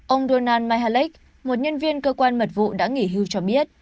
ông donald một nhân viên cơ quan mật vụ đã nghỉ hưu cho biết